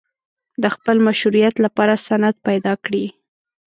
د خپل مشروعیت لپاره سند پیدا کړي.